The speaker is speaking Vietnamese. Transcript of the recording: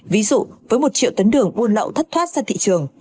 ví dụ với một triệu tấn đường buôn lậu thất thoát ra thị trường